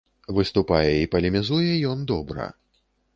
Выступае і палемізуе ён добра.